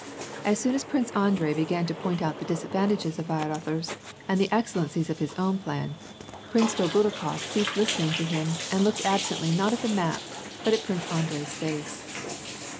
As soon as Prince Andrei began to point out the disadvantages of Weirother's, and the excellencies of his own plan, Prince Dolgorukof ceased listening to him and looked absently not at the map, but at Prince Andrei's face.